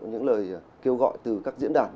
những lời kêu gọi từ các diễn đàn